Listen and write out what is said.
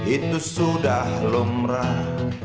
itu sudah lumrah